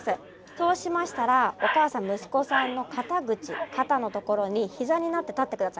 そうしましたらおかあさん息子さんの肩口肩の所に膝になって立って下さい。